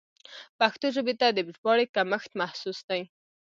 پښتو ژبې ته د ژباړې کمښت محسوس دی.